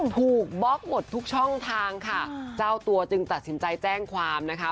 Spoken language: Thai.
บล็อกหมดทุกช่องทางค่ะเจ้าตัวจึงตัดสินใจแจ้งความนะคะ